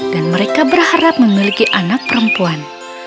dan mereka berharap memiliki anak perempuan